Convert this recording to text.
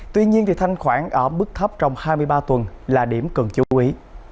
tuy nhiên thì thanh khoản ở bước thấp trong hai mươi ba tuần là điểm cần chú ý